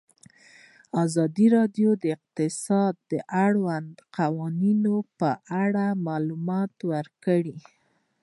ازادي راډیو د اقتصاد د اړونده قوانینو په اړه معلومات ورکړي.